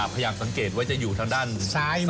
พระอย่างสังเกตว่าจะอยู่ทางด้านซ้ายมือ